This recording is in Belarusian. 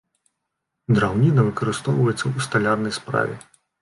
Драўніна выкарыстоўваецца ў сталярнай справе.